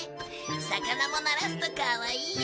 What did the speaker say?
魚もならすとかわいいよ！